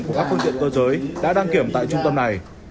của các phương tiện cơ giới đã đăng kiểm tại trung tâm này